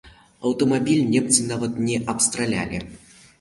Аўтамабіль немцы нават не абстралялі!